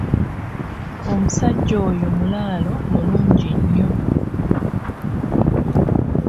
Omusajja oyo mulaalo mulungi nnyo.